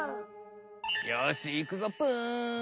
よしいくぞプン！